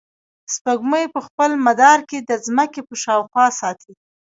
سپوږمۍ په خپل مدار کې د ځمکې په شاوخوا ساتي.